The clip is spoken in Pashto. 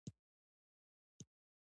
منی د افغان کورنیو د دودونو مهم عنصر دی.